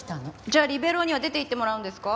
じゃあリベロウには出ていってもらうんですか？